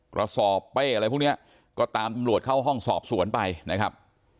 กระสอบเป้อะไรพวกนี้ก็ตามตำรวจเข้าห้องสอบสวนไปนะครับ